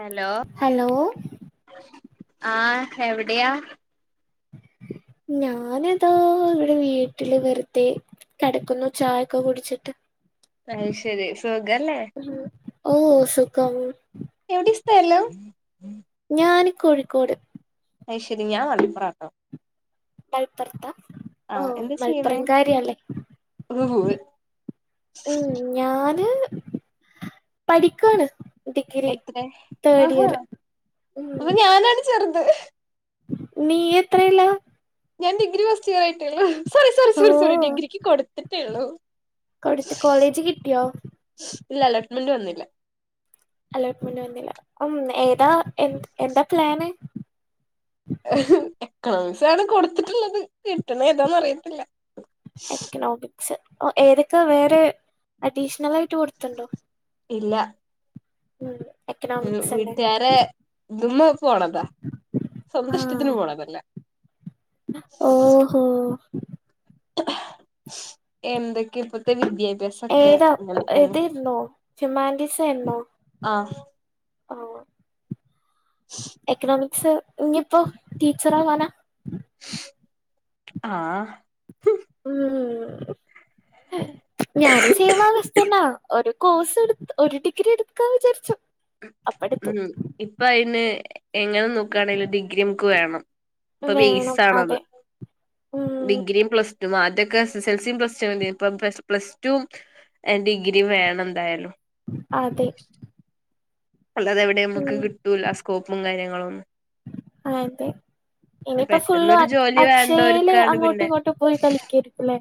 Hello hello ആഹ് എവിടെയാ? [inaudible] ഞാനിതാ ഇവിടെ വീട്ടില് വെറുതെ കെടക്കുന്നു ചായ ഒക്കെ കുടിച്ചിട്ട്. അയ് ശരി സുഖല്ലേ? ഉം. ഓ സുഖം. എവിടെ സ്ഥലോം? ഞാന് കോഴിക്കോട്. അയ് ശരി ഞാൻ മലപ്പുറാട്ടോ. മലപ്പുറത്ത ഓ ആഹ് എന്താ ചെയ്യണേ മൽപ്പുറം കാര്യാല്ലേ? പൂവ് ഉം ഞാന് പഠിക്കാണ്. ഡിഗ്രി എത്രെ തേർഡ് ആഹ ഇയർ ഉം അപ്പൊ ഞാനാണ് ചെർത്. നീ എത്രെല? ഞാൻ ഡിഗ്രി ഫസ്റ്റ് ഇയർ ആയിട്ടേയുള്ളൂ സോറി സോറി ഓ സോറി സോറി ഡിഗ്രിക്ക് കൊടുത്തിട്ടേ ഉള്ളു. കൊടുത്ത് കോളേജ് കിട്ടിയോ? ഇല്ല അലോട്ട്മെന്റ് വന്നില്ല. അലോട്ട്മെന്റ് വന്നില്ല ഉം ഏതാ എ എന്താ പ്ലാന്? എക്കണോമിക്സ് ആണ് കൊടുത്തിട്ടുള്ളത് കിട്ടണ ഏതാന്നന്ന് അറിയത്തില്ല. എക്കണോമിക്സ് ഏതൊക്കെ വേറെ അഡീഷണൽ ആയിട്ട് കൊടുത്തണ്ടോ? ഇല്ല. ഉം. ഉം എക്കണോമിക്സ് അല്ലേ വീട്ടുകാരെ ഇത്ന്ന് പോണതാ. സ്വന്തം ഇഷ്ടത്തിന് പോണതല്ല. ഓഹോ. എന്തൊക്കെ ഇപ്പത്തെ വിദ്യ ഏതാ ഏതേരുന്നോ ഹ്യൂമാനിറ്റീസ് ആരുന്നോ? ആഹ് ആഹ് എക്ണോമിക്സ് ഇഞ്ഞിപ്പോ ടീച്ചറ ആവാനാ? ആഹ് ഉം ഞാനും സേമാവസ്ഥന്നാ ഒരു കോഴ്സ് എടുതു ഒരു ഡിഗ്രി എടുക്കാ വിചാരിചു. ഉം ഇപ്പ അയിന് എങ്ങനെ നോക്കാണെങ്കില് ഡിഗ്രി മുക്ക് വേണം. ഇപ്പൊ ബേസ് വേണം ആണത്. അതെ ഉം ഡിഗ്രിയും പ്ലസ് ത് മാറ്റൊക്കെ സ് സെ എൽ സിയും പ്ലസ്റ്റു മതേ പം പ്ലസ് ടും ഡിഗ്രിയും വേണം എന്തായാലും അതെ അല്ലാതെവിടെയും മ്ക്ക് ഉം കിട്ടൂല. സ്കോപ്പും കാര്യങ്ങളും ഒന്നും അതെ ഇനിയിപ്പോ ഫുള്ള് പെട്ടെന്നൊരു അക് ജോലി അക്ഷയയേല് വേണ്ടവർക്കാണ് അങ്ങോട്ടും പിന്നെ ഇങ്ങോട്ടും പോയി കളിക്കേര്ക്കും ല്ലേ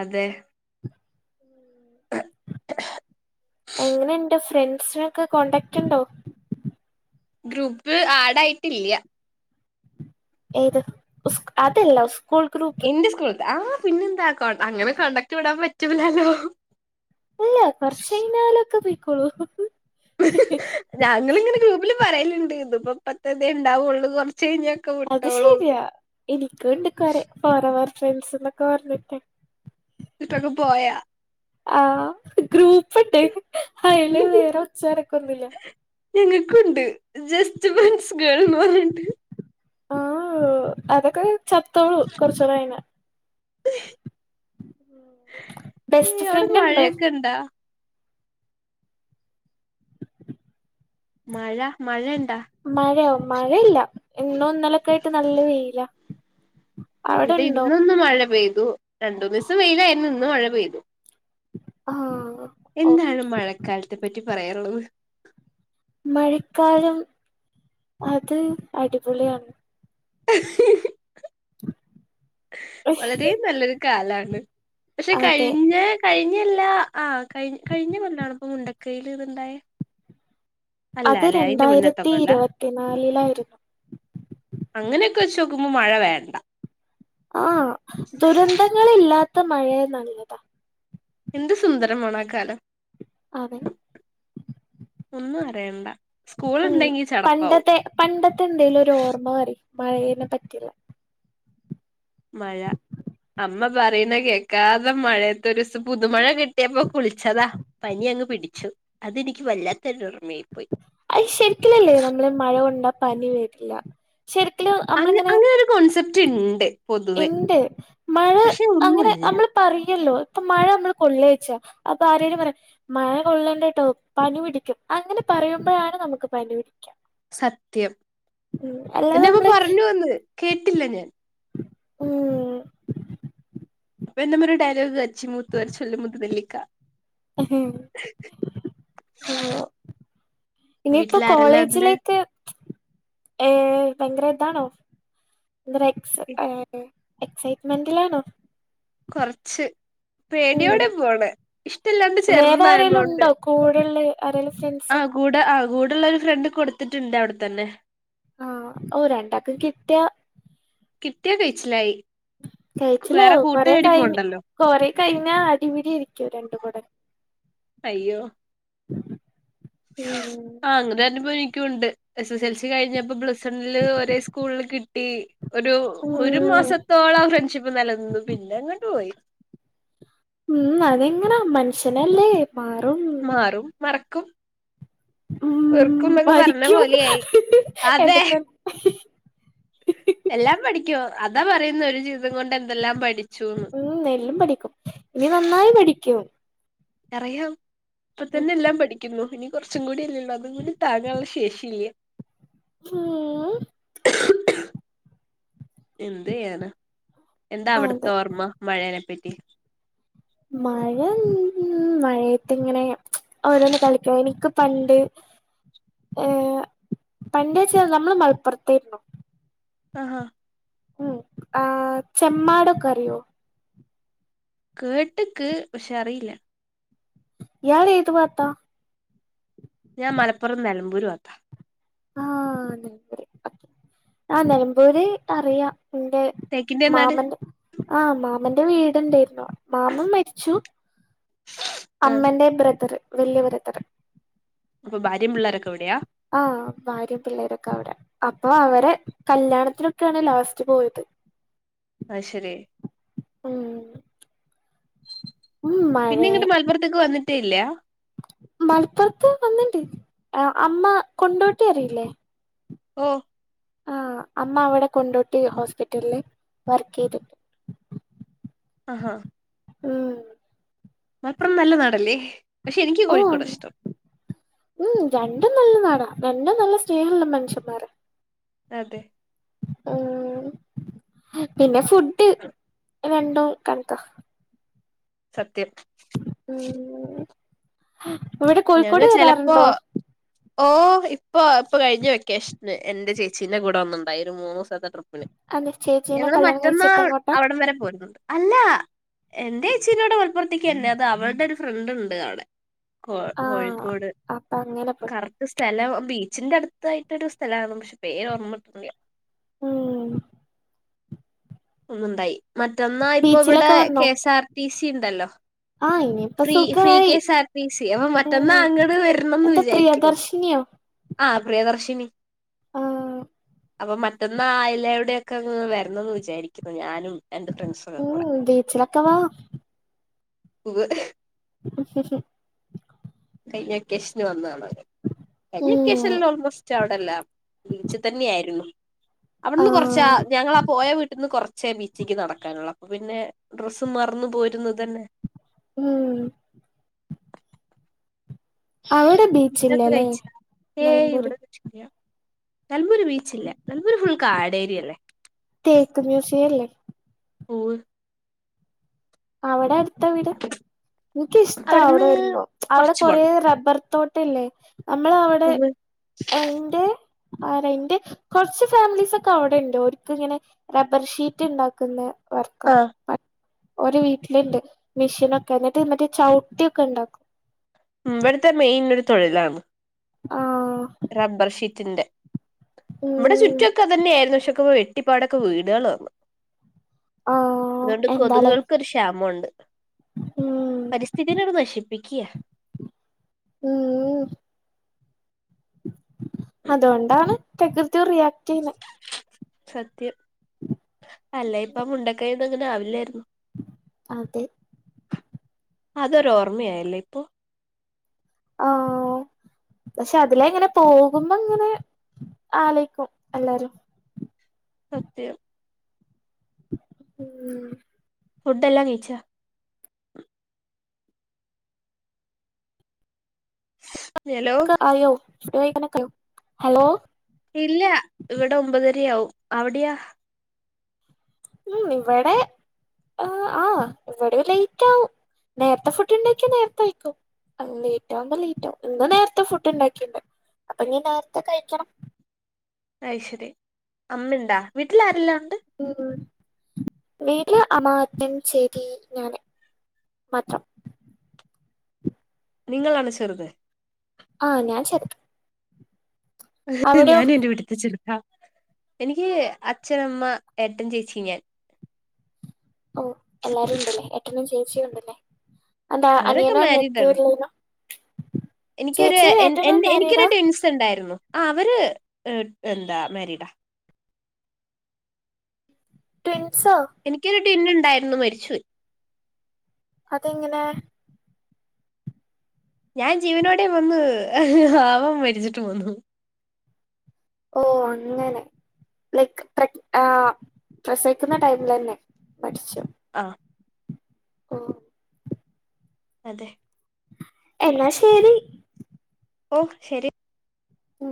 അതെ സ്സ്‌നോക്കെ കോണ്ടാക്റ്റ് ഉണ്ടോ? ഗ്രൂപ്പ് ആഡായിട്ടില്യ. ഏത് ഉസ് അതല്ല ഉസ് ഇന്റെ സ്കൂളത്താ ആഹ് പിന്നെന്താ അങ്ങനെ കോൺടാക്ട് വിടാൻ പറ്റൂലല്ലോ. ഇല്ല കൊർചെഴിഞ്ഞാലൊക്കെ പോയിക്കോളും. ഞങ്ങളിങ്ങനെ ഗ്രൂപ്പില് പറയല്ണ്ട് ഇതിപ്പോപ്പത്തന്നെ ഉണ്ടാവുള്ളൂ കൊർ അത് ശരിയാ എനിക്കുണ്ട് കൊറേ ഫോറവർ ഫ്രണ്ട്സ് ന്നൊക്കെ പറഞ്ഞിട്ട് ന്നിട്ടൊക്കെ പോയോ? ആഹ് ഗ്രൂപ്പ്ണ്ട്. അയില് വേറെ ഒച്ചീമ് അനക്കോം ഒന്നുല്ല. ക്കുണ്ട് ജസ്റ്റ് ഫ്രണ്ട്‌സ് ഗേൾ പറഞ്ഞാണ്ട് ഓ ഓഹ് അതൊക്കെ ചത്തോളും കൊറച്ചൂടെ കയിഞ്ഞാ ഏ ബെസ്റ്റ് അവിടെ ഫ്രണ്ട് ണ്ടോ? മഴയൊക്കെ ഇണ്ടാ മഴ മഴേണ്ടാ മഴയോ മഴയില്ല ഇന്നും ഇന്നലൊക്കൊയായിട്ട് നല്ല വെയിലാ ഇവിടെ അവിടെണ്ടോ ഇന്നൊന്ന് മഴ പെയ്തു രണ്ട് ദിവസം വെയിലായിരുന്നു ഇന്ന് മഴ പെയ്തു ആഹ് എന്താണ് മഴക്കാലത്തെ പറ്റി പറയാനുള്ളത് മഴക്കാലം അത് അടിപൊളിയാണ് വളരേ നല്ലൊരു കാലാണ് പക്ഷെ അതെ കഴിഞ്ഞ കഴിഞ്ഞ കഴിഞ്ഞല്ല ആ കഴി കഴിഞ്ഞ കൊല്ലാണോ ഇപ്പൊ മുണ്ടക്കയില് ഇത്ണ്ടായേ? അത് അല്ലാലെ അയിന്റെ മുന്നത്തെ രണ്ടായിരത്തി കൊല്ലാ ഇരുപത്തിനാലിലായിരുന്നു അങ്ങനെ ക്ക് വച്ച് നോക്കുമ്പോ മഴ വേണ്ട ആ ദുരന്തങ്ങളില്ലാത്ത മഴയായാൽ നല്ലതാ എന്ത് സുന്ദരമാണാ കാലം അതെ ഒന്നും അറിയണ്ട സ്കൂൾ ഉം ഉണ്ടെങ്കി ചടപ്പാവും പണ്ടത്തെ പണ്ടത്തെ എന്തെലും ഒരു ഓർമ്മ പറി മഴയേനെ പറ്റിള്ള മഴ അമ്മ പറയുന്ന കേക്കാതെ മഴയത്തൊരുസം പുതുമഴ കിട്ടിയപ്പോ കുളിച്ചതാ പനിയായി. യങ്ങ് പിടിച്ചു അതെനിക്ക് വല്ലാത്ത ഒരു അത് ശരിക്കി ലല്ലേ നമ്മള് ഈ മഴ കൊണ്ടാ പനി വരില്ല ശരിക്കലും അങ്ങെ നമ്മളിങ്ങനെ അങ്ങനെ ഒരു കോൺസെപ്റ്റ് ണ്ട് ഇണ്ട് മഴ അങ്ങനെ ഒന്നുമല്ല നമ്മള് പറയല്ലോ ഇപ്പൊ മഴ നമ്മള് കൊള്ളാച്ചാ അപ്പൊ ആരെങ്കിലും പറയും മഴ കൊള്ളേണ്ടട്ടോ പനി പിടിക്കും അങ്ങനെ പറയുമ്പോഴാണ് നമുക്ക് പനി പിടിക്ക്യാ സത്യം അല്ലാതെ എന്റെ അമ്മ നമ്മള് പറഞ്ഞു വന്ന് കേട്ടില്ല ഞാൻ ഉം അപ്പൊ എന്റമ്മ ഒരു ഡയലോഗ് കാച്ചി മൂത്ത ചൊല്ലും മുത്തു നെല്ലിക്ക എഹും ഓഹ് ഇനിയിപ്പോ വീട്ടിൽ ആരെല്ലാം ഉണ്ട് കോളേജിലേക്ക് ഏ ഭയങ്കര ഇതാണോ ബ്രേക്സ് എക് എക്സൈറ്റ്മെന്റിലാണോ? കൊറച്ച് പേടിയോടെ പോണേ വേറെ ആരേിലും ഉണ്ടോ കൂടുല്ല ആരേലും ഫ്രണ്ട്സ് കൂടുള്ള ഒരു ഫ്രണ്ട് കൊടുത്തിട്ടുണ്ട് അവിടെത്തന്നെ ആഹ് ഓഹ് രണ്ടാക്കും കിട്ടയ കിട്ടിയ കഴിച്ചിലായി വേറെ കഴിച്ചിലാവും കൊറെ കൂട്ടുകാരി കഴിഞ്ഞ പോണ്ടല്ലോ കൊറെ കഴിഞ്ഞ അടിപിടി ആയിരിക്കുവ രണ്ട കൂടെ അയ്യോ ഉം ആഹ് അങ്ങനെരു അനുഭവം എനിക്കുംണ്ട് എസ് എസ് എൽ സി കഴിഞ്ഞപ്പോ പ്ലസ് ണില് ഒരേ സ്കൂളില് കിട്ടി ഒരു ഒരു ഉം മാസത്തോളം ആ ഫ്രണ്ട്ഷിപ്പ് നിലനിന്നു പിന്നെ അങ്ങോട്ട് പോയി ഉം അതങ്ങനാ മനുഷ്യനല്ലേ മാറും മാറും മറക്കും ഉം ഉർക്കുംക്കെ പറഞ്ഞ പഠിക്കും പോലെയായി അതെ എന്തൊക്കെ എല്ലാം പഠിക്കോ അതാ പറയുന്ന ഒരു ജീവിതം കൊണ്ട് എന്തെല്ലാം പഠിച്ചു ഉം എല്ലും പഠിക്കും ഇനി നന്നായി പഠിക്കൂ അറിയാം ഇപ്പൊ തന്നെ എല്ലാം പഠിക്കുന്നു മോഹിന കുറച്ചും കൂടി അല്ലേള്ളൂ അതും കൂടി താങ്ങാനുള്ള ശേഷി ഇല്ലേ ആ എന്തയാന എന്താ അതെ അവിടുത്തെോഓർമ്മ മഴേനെപ്പറ്റി മഴ ഉ മഴയത്തി ഇങ്ങനെ ഓരോന്ന് കളിക്കാം എനിക്ക് പണ്ട് ഏർ പണ്ടച്ച നമ്മള് മലപ്പുറത്തായിരുന്നുോ ആഹാ ഉം ആ ചെ്മ്മമാട കറിയോ കേട്ടക്ക് പക്ഷെ അറിയില്ല യറെ ഏതുവാ അത്ത ഞാൻ മലപ്പുറം നിലമ്പൂര് വത്താ ആഹ നിലമ്പൂരി ആ നിലമ്പൂരി അറിയാം പിന്റെ തേക്കിന്റെ നാട് മാമന്റെ ആഹ മാമന്റെ വീടുണ്ടായിരുന്നു മാമൻ മരിച്ചു ആഹ് അമ്മന്റെ ബ്രതറ് വല്യ ബ്രതറ് അപ്പൊ ഭാര്യ പിള്ളേരൊക്കെ ഇവിടെയാ ആഹ ഭാര്യയും പിള്ളേരൊക്കെ അവര് അപ്പൊ അവരെ കല്യാണത്തിനൊക്കെയാണ് ലാസ്റ്റ് പോയത് ആഹ ശരി ഉം ഉം പിന്നെ മഴയെ ഇങ്ങിട്ട് മലപ്പുറത്തേക്ക് വന്നിട്ടേ ഇല്ല മലപ്പുറത്ത് വന്നിണ്ട് അമ്മ കൊണ്ടോട്ടി അറിയില്ലേ ഓ ആഹ അമ്മ അവിടെ കൊണ്ടോട്ടി ഹോസ്പിറ്റലില് വർക്ക് ചെയ്തിട്ട് ആഹാ ഉം മലപ്പുറം നല്ല നാടല്ലേ പക്ഷെ എനിക്ക് ഓ കോഴിക്കോട ഇഷ്ടം ഉം രണ്ടും നല്ല നടാടാ നന്ന നല്ല സ്നേഹണല്ല മനുഷ്യന്മാര് അതെ ഉ പിന്നെ ഫുഡ് രണ്ടും കണക്ക സത്യം ഉ ഇവിടെ ഞങ്ങ കോഴിക്കോട് ചെലപ്പോ വരാറുണ്ടോ ഓ ഇപ്പൊ ഇപ്പൊ കഴിഞ്ഞ വെക്കേഷന് എന്റെ ചേച്ചീന്റെ കൂടെ ഒന്നുണ്ടായി ഒരു മൂന്ന്ുിവ ട്രിപ്പന് അതെ ചേച്ചീനെ ഞങ്ങള് കല്യാണം മറ്റന്നാ കഴിച്ചിട്ട് എങ്ങോട്ടാ അവിടം വരെ പോരുന്നുണ്ട് അല്ല എറെ ചച്ചീനോട് കൊലപ്പുറത്തേക്ക്ന്നെ അത് അവളുടെ ഒരു ഫ്രണ്ട് ഉണ്ട് അവിടെ ആഹ് കോഴിക്കോട് അപ്പൊ അങ്ങനെ പോയി കറക്റ്റ് സ്ഥലം ബീച്ചിന്റെ അടുത്തായിട്ടൊ ഒരു സ്ഥലരുന്നു പക്ഷേ പേര് ർമ്മിട്ടില്ല ഉം ഒന്നുണ്ടായി മറ്റന്നാ ഇപ്പൊ ഇവിടെ ബീച്ചിലൊക്കെ വന്നോ കെഎസ് ആർ ടി സി ഉണ്ടല്ലോ ആഹ് ഇനിയിപ്പ ഫ്രീ ഫ്രീ സുഖായി കെഎസ് ആർ ടി സി അപ്പൊ മറ്റൊന്നാ ഉം അങ്ങോട്ട വരണംന്ന് എന്താ വിചാരിക്കുന്നു പ്രിയദർശിനിയോ ആഹ പ്രിയദർശിനി ആഹ് അപ്പൊ മറ്റൊന്ന് ആയിലവിടെയൊക്കെ വരുന്നന്ന് വിചാരിക്കുന്നു ഞാനും എന്റെ ഫ്രണ്ട്സൊക്കെ ഉം ബീച്ചിലക്കവാ ഉ അ കൈഞ്ഞ കഷ്ന് വന്നാള ക്കേഷ ഉം ഓൾമോസ്റ്റ് അവിടെല്ലാം ബീച്ച് തന്നെയ ആായിരുന്നു അവിടുന്ന് കൊറച്ചാ ആഹ് ഞങ്ങളാ പോയ വീട്ടിൽന്ന് കൊറ പച്ചേ ബീച്ചേക്ക് നടക്കാനുള്ള അപ്പൊ പിന്നെ ഡ്രസ്സും മറന്നു പോരരുന്നു ഇതന്നെ ഉം അവിടെ ബീച്ചില്ലല്ലേ ഇച്ച നിലമ്പൂര് ഇവിടെച്ച നലമൂര് ബീച്ചില്ല നലമൂര് ഫുൾ കാട്േരിയല്ലേ തക്ക മിവഷല്ലേ [inaudible] അവിടെ അടുത്ത വീടെ എനിക്കിഷ്ട്ട അവിടുന്ന് അവിടെ വരുമ്പോ അവിടെ കൊറച്ച് കൊറ പോണം റബ്ബർ തോട്ടല്ലേ നമ്മള അവിടെ പൂവ് ഇറെ ആരാ എന്റെ കുറച്ച് ഫാമിലീസ് ഒക്കെ അവിടെ ഉണ്ട് ഒരിക്ക ഇങ്ങനെ റബ്ബർ ഷീറ്റ് ഉണ്ടാക്കുന്ന വർക്ക ആഹ് ഒരു വീട്ടിലുണ്ട് മെഷീൻൊക്കെ എന്നിട്ട് മറ്റേ ചവിട്ടിയൊക്കെ ഉണ്ടാക്കും ഉ വടുത്ത മേ ഇന്നരു തോളില ആഹ റബർ ശീത്തിൻന്റെ ഇമ്മടെ ഉം ചുറ്റൊക്കെ തന്നെയായിരുന്നു ചെക്കുമ്പ വെട്ടിപ്പാടൊക്കെ വീടുകൾ വന്നു ആഹ് അതുകൊണ്ട് എന്താലേ കൊതുകുകൾക്കൊരു ക്ഷാമമുണ്ട് ഉം പരിസ്ഥിതിനോട് നശിപ്പിക്കിയ ഉം അതുകൊണ്ടാണ് പ്രകൃത്യം റിയാക്ട് ചെയ്യുന്നത് സത്യം അല്ല ഇപ്പ മുണ്ടക്കൈന്ന് അങ്ങനെ ആവില്ലായിരുന്നു അതെ അതൊരുോഓർമ്മയയല്ലേ ഇപ്പൊ ആഹ് [inaudible] പക്ഷെ അതില എങ്ങനെ പോകുമ്പോ ഇങ്ങനെ ആലേക്കും എല്ലാരും സത്യം ഉം ഫുഡ് എല്ലാം കീഴച്ച ഹലോ ആയോക്ക ഹലോ ഇല്ല ഇവിടെ ഒമ്പതരയാവും അവിടെയാാ ഉ ഇവിടെ ആ ആ് ഇവിടെ ലേറ്റ് ആകവും നേരത്തെ ഫുഡ് ഉണ്ടാക്കിയ നേരത്തെ അയക്കോ ലേറ്റ് ആകുമ്പോ ലേറ്റ് ആകും ഇന്ന് നേരത്തെ ഫുഡ് ഉണ്ടാക്കിയണ്ട് അപ്പൊ നീ നേരത്തെ കഴിക്കണം അയ്്ശരി അമ്മ ഇണ്ടാ വീട്ടിൽ ആരെല്ലാം ഉഓ വീട്ടില അമാജ്ഞം ചെയ്തി ഞാന്െ മാത്രം നിങ്ങൾ അനച്ചറത് ആഹ ഞാൻ ചക്ക ഞാനും എൻന്റെ വീട്ടത്തെ ചെറുക്കാ എനിക്ക് അച്ഛനമ്മ ഏട്ടൻ ചേച്ചി ഞാൻ ഓ എല്ലാരും ഉണ്ടല്ലേ എട്ടനും ചേച്ചിയ ഉണ്ടല്ലേ അന്താ അവരൊക്കെ അനിയനാ അന്ന് മാരീഡ് ആണ് എത്തിർല്ലനോ എനിക്കൊരു എ മാരീഡാ എനിക്കൊരുട്ട ടിൻസ് ഉണ്ടായിരുന്നു ആ അവര് എന്താ മരിഡാ പിന്നെ എനിക്കൊരു ടിന്നുണ്ടായിരുന്നു മരിച്ചു പോയി അതെങ്ങനെ ഞാൻ ജീവനോടെ വന്ന് ആവം മരിച്ചിട്ട് വന്നു ഓ അങ്ങനെ ലൈക്ക് പ്രസവിക്കുന്ന ടൈമിൽ തന്നെ പഠിച്ചു ആഹ് ഓ അതെ എന്നാ ശരി ഓ ശരി മ്